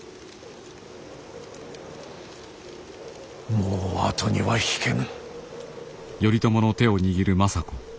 もう後には引けぬ。